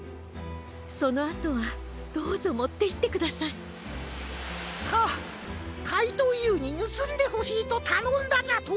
そのあとはどうぞもっていってください。かかいとうＵにぬすんでほしいとたのんだじゃと？